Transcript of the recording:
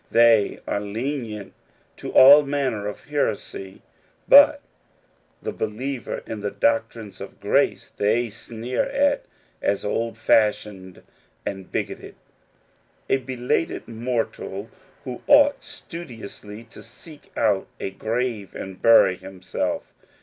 They are lenient to all manner of heresy ; but the be liever in the doctrines of grace they sneer at as old fashioned and bigoted — a belated mortal who ought studiously to seek out a grave and bury himself.